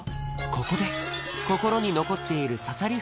ここで心に残っている刺さり